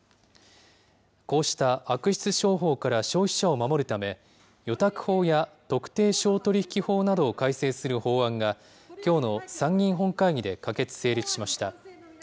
こうした悪質商法から消費者を守るため、預託法や、特定商取引法などを改正する法案が、きょうの参議院本会議で可決・成立しました。